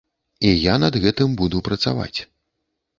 І я над гэтым буду працаваць.